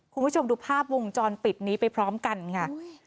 คุณผู้ชมดูภาพวงจรปิดนี้ไปพร้อมกันค่ะ